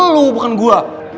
lo bukan gue